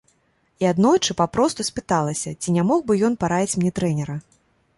І аднойчы папросту спыталася, ці не мог бы ён параіць мне трэнера.